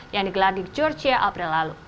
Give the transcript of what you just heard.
yang digelar di georgia april lalu